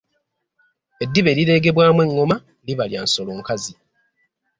Eddiba erireegebwamu engoma liba lya nsolo nkazi.